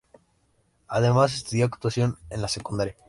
Además estudio actuación en la secundaria.